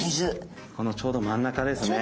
このちょうど真ん中ですね。